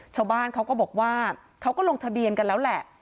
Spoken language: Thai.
ชาวบ้านเขาก็บอกว่าเขาก็ลงทะเบียนกันแล้วแหละ